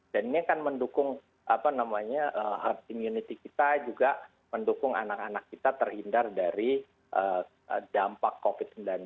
ini akan mendukung herd immunity kita juga mendukung anak anak kita terhindar dari dampak covid sembilan belas